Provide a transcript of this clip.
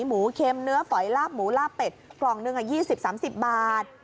หมูเคล็มเนื้อแต่ผมลาบหมูลาบเป็ดกล่องเดือนกันยี่สิบสามสิบบาท